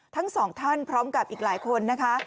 ทั้งสองท่านพร้อมกับอีกหลายคนนะคะ